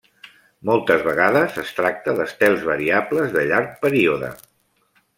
Moltes vegades es tracta d'estels variables de llarg període.